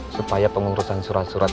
supaya pengurusan surat surat